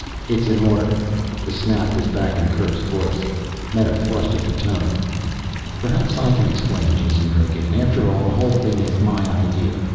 It's an order." The snap was back in Kerk's voice. Meta flushed at the tone. "Perhaps I can explain," Jason broke in. "After all the whole thing is my idea.